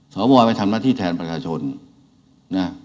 สวไปทำหน้าที่แทนประชาชนนะ